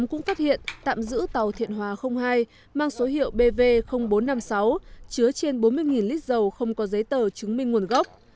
hải đoàn một mươi tám đã phát hiện tạm giữ tàu thiện hòa hai mang số hiệu bv bốn trăm năm mươi sáu chứa trên bốn mươi lít dầu không có giấy tờ chứng minh nguồn gốc